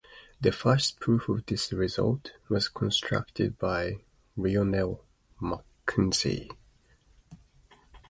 The first proof of this result was constructed by Lionel McKenzie.